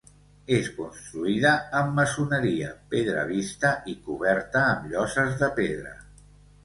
És construïda amb maçoneria, pedra vista i coberta amb lloses de pedra.